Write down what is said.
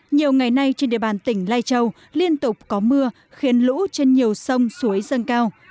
nhiều ngày nay trên địa bàn tỉnh lai châu liên tục có mưa khiến lũ trên nhiều sông suối dâng cao